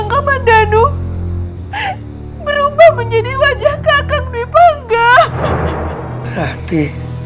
kamu tak ada apa apa lagi